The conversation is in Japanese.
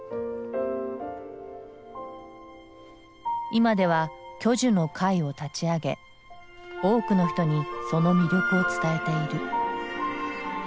今では巨樹の会を立ち上げ多くの人にその魅力を伝えている。